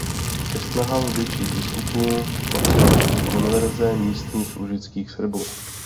Ke snahám zdejších biskupů patřila konverze místních Lužických Srbů.